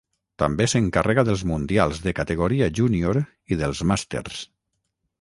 També s'encarrega dels mundials de categoria júnior i dels màsters.